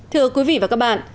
thưa quý vị và các bạn